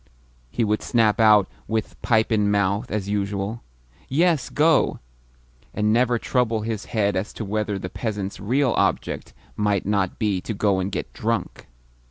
he would snap out, with pipe in mouth as usual, "Yes, go!" and never trouble his head as to whether the peasant's real object might not be to go and get drunk.